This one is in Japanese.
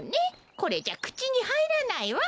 これじゃくちにはいらないわ。